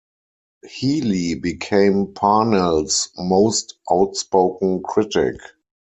Healy became Parnell's most outspoken critic.